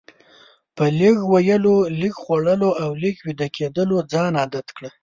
په لږ ویلو، لږ خوړلو او لږ ویده کیدلو ځان عادت کړه.